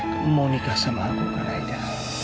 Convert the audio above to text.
kamu mau nikah sama aku kan aja